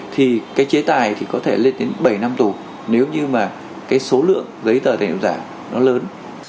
thì cái chế tài thì có thể lên đến bảy năm tù nếu như mà cái số lượng giấy tờ tài liệu giả nó lớn